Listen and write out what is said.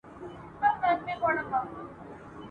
هندو زوړ سو مسلمان نه سو ..